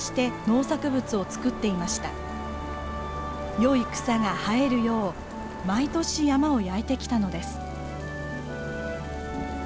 よい草が生えるよう毎年山を焼いてきたのです。